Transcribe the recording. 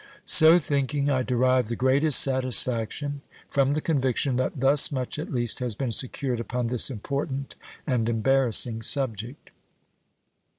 So thinking, I derive the greatest satisfaction from the conviction that thus much at least has been secured upon this important and embarrassing subject.